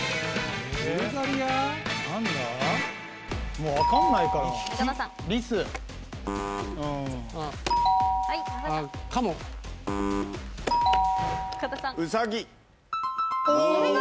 もう分かんないからお見事！